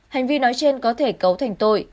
hành vi nói trên có thể cấu thành tội